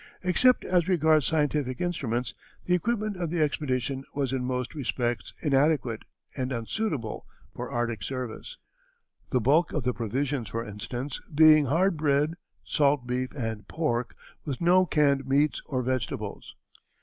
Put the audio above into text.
Except as regards scientific instruments, the equipment of the expedition was in most respects inadequate and unsuitable for Arctic service, the bulk of the provisions, for instance, being hard bread, salt beef, and pork, with no canned meats or vegetables.